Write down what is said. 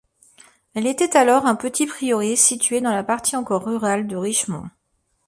Elle était alors un petit prieuré situé dans la partie encore rurale de Richmond.